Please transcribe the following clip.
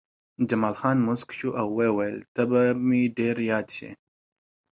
جمال خان موسک شو او وویل چې ته به مې ډېر یاد شې